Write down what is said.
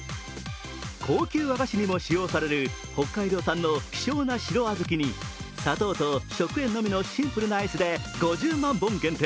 高級和菓子にも使用される、北海道産の希少な白小豆に砂糖と食塩のみのシンプルなアイスで５０万本限定。